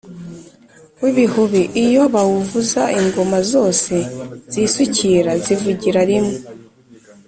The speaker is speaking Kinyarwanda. w’ibihubi iyo bawuvuza ingoma zose zisukira (zivugira) rimwe